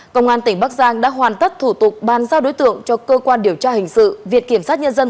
công an tp quảng bình đã hoàn tất thủ tục ban giao đối tượng cho cơ quan điều tra hình sự viện kiểm sát nhân dân